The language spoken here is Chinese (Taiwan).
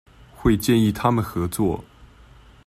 會建議他們合作